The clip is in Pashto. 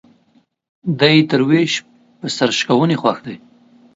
دى يې تر ويش په سر شکوني خوښ دى.